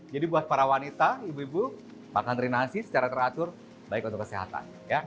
jadi buat para wanita ibu ibu makan teri nasi secara teratur baik untuk kesehatan